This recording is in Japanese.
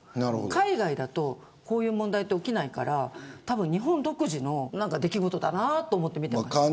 海外だとこういう問題って起きないからたぶん日本独自の出来事だなと思って見てました。